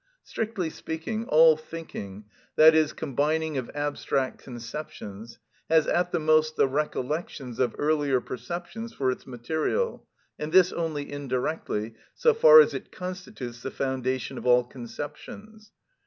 Strictly speaking, all thinking, i.e., combining of abstract conceptions, has at the most the recollections of earlier perceptions for its material, and this only indirectly, so far as it constitutes the foundation of all conceptions.